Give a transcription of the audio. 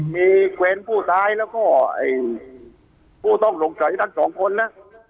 มีเกรนผู้ตายแล้วก็ผู้ต้องสงสัยทั้งสองคนนะ